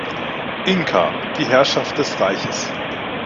Inka die Herrschaft des Reiches.